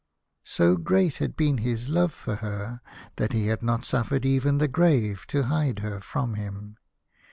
So yreat had been his love for her that he had not suffered even the grave to hide her from him.